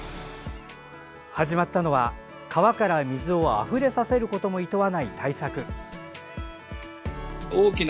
始まったのは、川から水をあふれさせることもいとわない対策。